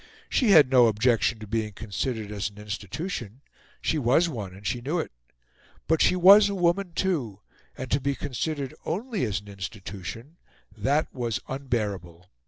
She had no objection to being considered as an institution; she was one, and she knew it. But she was a woman too, and to be considered ONLY as an institution that was unbearable.